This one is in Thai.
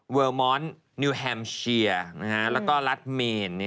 เวอร์มอนต์นิวแฮมเชียแล้วก็รัฐเมน